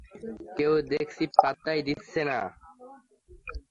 কেউ দেখছি পাত্তাই দিচ্ছে না!